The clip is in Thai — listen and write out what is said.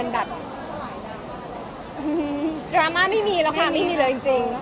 ดราม่าไม่มีแล้วค่ะไม่มีเลยจริง